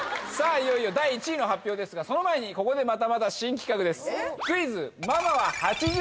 いよいよ第１位の発表ですがその前にここでまたまた新企画です。